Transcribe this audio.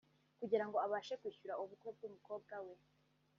kugira ngo abashe kwishyura ubukwe bw’umukobwa we